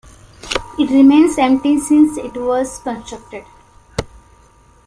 It remains empty since it was constructed.